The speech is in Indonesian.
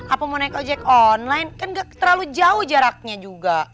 apa mau naik ojek online kan gak terlalu jauh jaraknya juga